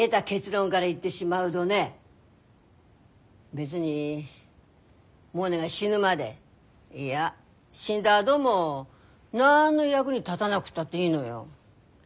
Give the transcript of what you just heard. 別にモネが死ぬまでいや死んだあどもなんの役に立だなくったっていいのよ。